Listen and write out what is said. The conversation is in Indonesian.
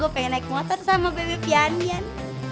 gue pengen naik motor sama bebeou pale renian